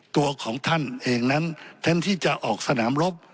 ตัวของท่านเองนั้นแทนที่จะออกสนามรบ